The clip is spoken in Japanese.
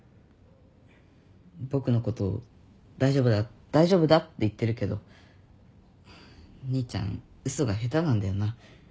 僕のこと「大丈夫だ大丈夫だ」って言ってるけど兄ちゃん嘘が下手なんだよな。